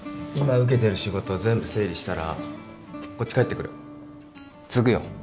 今受けてる仕事全部整理したらこっち帰ってくる継ぐよ